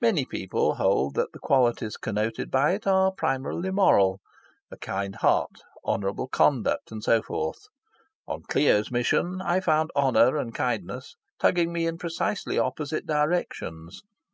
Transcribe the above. Many people hold that the qualities connoted by it are primarily moral a kind heart, honourable conduct, and so forth. On Clio's mission, I found honour and kindness tugging me in precisely opposite directions.